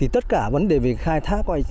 tất cả vấn đề về khai thác